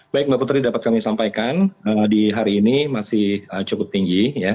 baik mbak putri dapat kami sampaikan di hari ini masih cukup tinggi